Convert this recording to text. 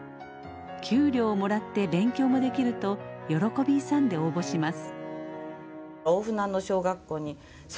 給料をもらって勉強もできると喜び勇んで応募します。